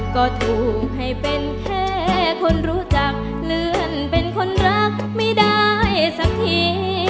ก็ถูกให้เป็นแค่คนรู้จักเลื่อนเป็นคนรักไม่ได้สักที